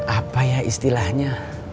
apa ya istilahnya